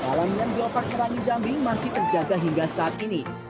dalam yang gawapak merangin jambi masih terjaga hingga saat ini